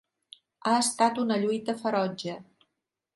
Ha estat una lluita ferotge.